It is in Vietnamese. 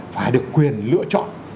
phải được quyền lựa chọn